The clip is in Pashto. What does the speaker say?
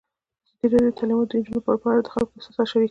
ازادي راډیو د تعلیمات د نجونو لپاره په اړه د خلکو احساسات شریک کړي.